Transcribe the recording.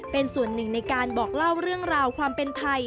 เป็นส่วนหนึ่งในการบอกเล่าเรื่องราวความเป็นไทย